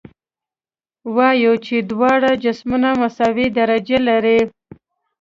وایو چې دواړه جسمونه مساوي درجه لري.